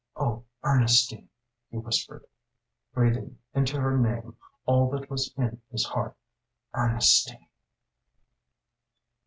"Oh, Ernestine," he whispered breathing into her name all that was in his heart "_Ernestine!